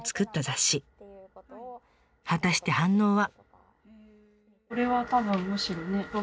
果たして反応は。